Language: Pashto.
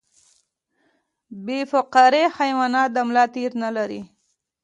بې فقاریه حیوانات د ملا تیر نلري